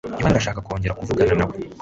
Yohani arashaka kongera kuvugana nawe.